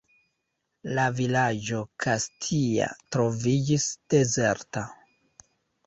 La vilaĝo Kastia troviĝis dezerta.